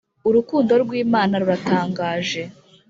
Urukundo rw’imana ruratangaje